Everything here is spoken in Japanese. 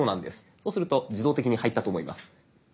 そうすると自動的に入ったと思います。